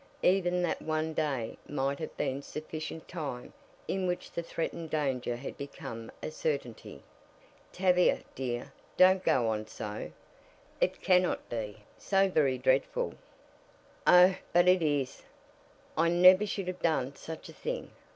Even that one day might have been sufficient time in which the threatened danger had become a certainty. "Tavia, dear, don't go on so! It cannot be so very dreadful." "Oh, but it is! I never should have done such a thing.